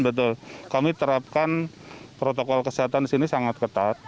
betul kami terapkan protokol kesehatan di sini sangat ketat